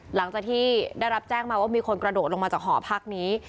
หลังจากที่ได้รับแจ้งมาว่ามีคนกระโดดลงมาจากหอพักนี้